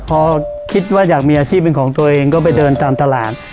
พอคิดว่าอยากมีอาชีพเป็นของตัวเองก็ไปเดินตามตลาด